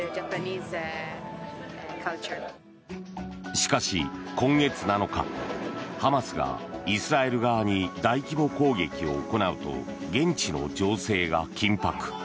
しかし今月７日ハマスがイスラエル側に大規模攻撃を行うと現地の情勢が緊迫。